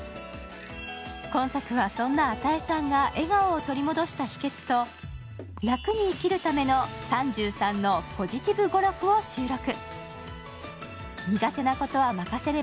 今作はそんな與さんが笑顔を取り戻した秘けつと楽に生きるための３３のポジティブ語録を収録。